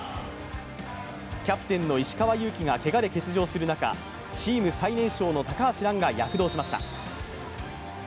キャプテンの石川祐希がけがで欠場する中、チーム最年少の高橋藍が躍動しました。